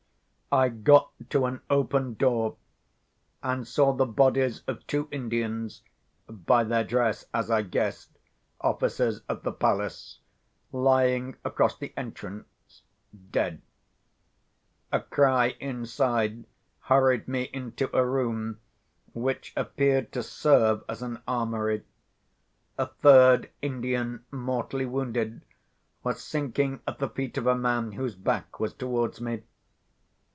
I got to an open door, and saw the bodies of two Indians (by their dress, as I guessed, officers of the palace) lying across the entrance, dead. A cry inside hurried me into a room, which appeared to serve as an armoury. A third Indian, mortally wounded, was sinking at the feet of a man whose back was towards me.